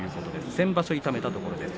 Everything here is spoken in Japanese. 先場所、痛めたところです。